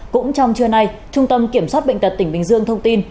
cũng trong trưa nay trung tâm kiểm soát bệnh tật tỉnh bình dương thông tin